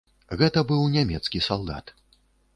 Гэта быў нямецкі салдат.